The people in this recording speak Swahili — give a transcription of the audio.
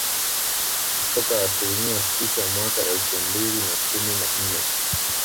kutoka asilimia sita mwaka elfu mbili na kumi na nne